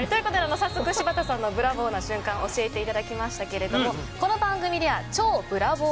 早速柴田さんのブラボーな瞬間教えていただきましたがこの番組では超ブラボー！